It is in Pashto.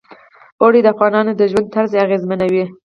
اوړي د افغانانو د ژوند طرز اغېزمنوي.